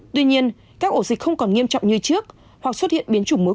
tuy nhiên các ổ dịch không còn nghiêm trọng như trước hoặc xuất hiện biến chủng mới